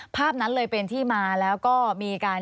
ควิทยาลัยเชียร์สวัสดีครับ